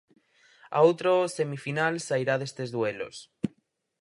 A outro semifinal sairá destes duelos.